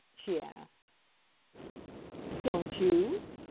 she asked. "Don't you?"